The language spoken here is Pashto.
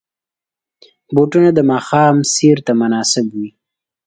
بوټونه د ماښام سیر ته مناسب وي.